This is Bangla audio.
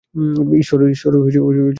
ঈশ্বরের দোহাই লাগে, অ্যাডাম।